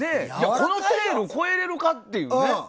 このテールを超えられるかっていうね。